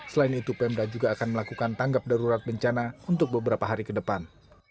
selain itu pemda juga akan melakukan tanggap darurat bencana untuk beberapa hari ke depan